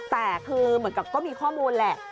แต่คือเหมือนกับก็มีข้อมูลแหละ